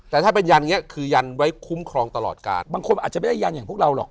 แต่ถ้าเป็นยันอย่างนี้คือยันไว้คุ้มครองตลอดกาลบางคนอาจจะไม่ได้ยันอย่างพวกเราหรอก